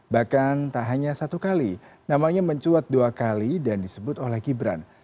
bahkan tak hanya satu kali namanya mencuat dua kali dan disebut oleh gibran